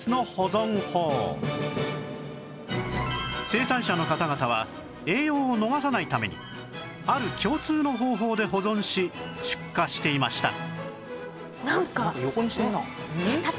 生産者の方々は栄養を逃さないためにある共通の方法で保存し出荷していました